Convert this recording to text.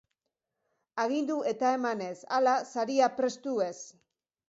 Agindu eta eman ez; hala, saria prestu ez.